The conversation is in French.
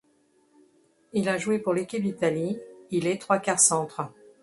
Il a joué pour l'équipe d'Italie, il est trois quart centre.